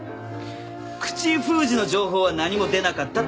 「口封じの情報は何も出なかった」って言ったんだ。